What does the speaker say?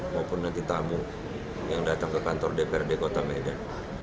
maupun nanti tamu yang datang ke kantor dprd kota medan